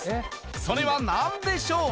それは何でしょう？